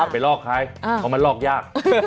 ไปลอกใครเพราะมันลอกยาก